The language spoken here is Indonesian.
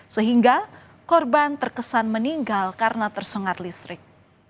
sehingga korban terkesan meninggal karena tersengat listrik